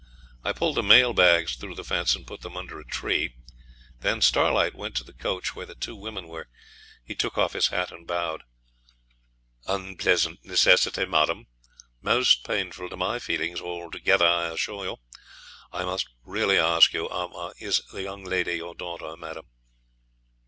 I pulled the mail bags through the fence and put them under a tree. Then Starlight went to the coach where the two women were. He took off his hat and bowed. 'Unpleasant necessity, madam, most painful to my feelings altogether, I assure you. I must really ask you ah is the young lady your daughter, madam?'